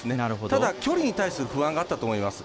ただ、距離に対する不安があったと思います。